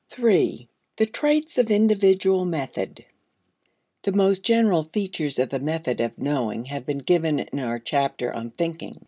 3. The Traits of Individual Method. The most general features of the method of knowing have been given in our chapter on thinking.